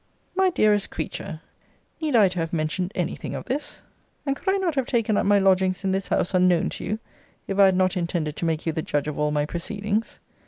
My dearest creature, need I to have mentioned any thing of this? and could I not have taken up my lodgings in this house unknown to you, if I had not intended to make you the judge of all my proceedings?